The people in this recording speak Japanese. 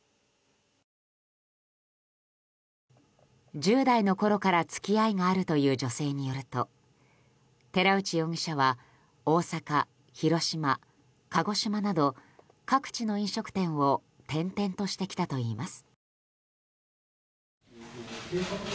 １０代のころから付き合いがあるという女性によると、寺内容疑者は大阪、広島、鹿児島など各地の飲食店を転々としてきたといいます。